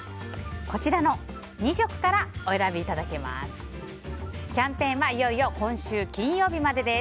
こちらの２色からお選びいただけます。